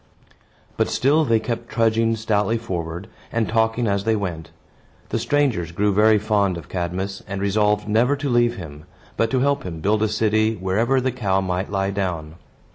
But still they kept trudging stoutly forward, and talking as they went. The strangers grew very fond of Cadmus, and resolved never to leave him, but to help him build a city wherever the cow might lie down.